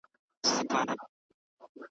چي لا اوسي دلته قوم د جاهلانو .